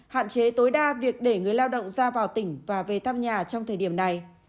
hạn chế tối đa việc để người lao động ra vào tỉnh và về thăm nhà trong thời điểm này